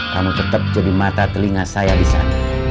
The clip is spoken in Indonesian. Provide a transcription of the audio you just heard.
kamu tetap jadi mata telinga saya di sana